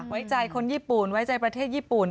ไว้ใจคนญี่ปุ่นไว้ใจประเทศญี่ปุ่น